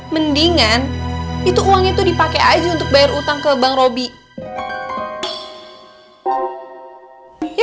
mendingan itu uangnya tuh dipakai aja untuk bayar utang ke bang robbie ya